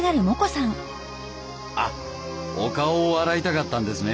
あっお顔を洗いたかったんですね。